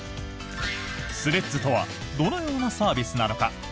スレッズとはどのようなサービスなのか。